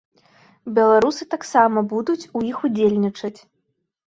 Беларусы таксама будуць у іх удзельнічаць.